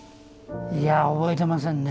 いやぁ覚えてませんね。